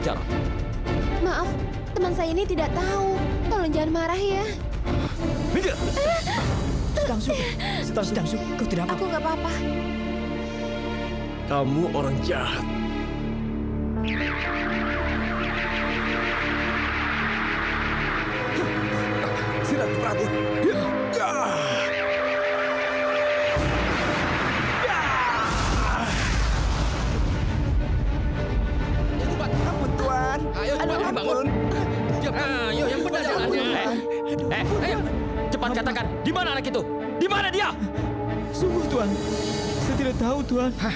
sungguh tuhan saya tidak tahu tuhan